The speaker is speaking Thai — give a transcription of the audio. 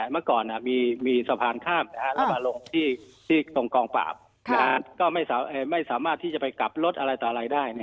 เมื่อก่อนมีสะพานข้ามแล้วมาลงที่ตรงกองปราบก็ไม่สามารถที่จะไปกลับรถอะไรต่ออะไรได้